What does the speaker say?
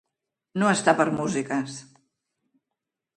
No estar per músiques.